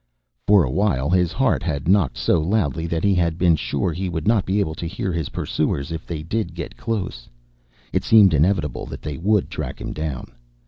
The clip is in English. For a while his heart had knocked so loudly that he had been sure he would not be able to hear his pursuers if they did get close. It seemed inevitable that they would track him down.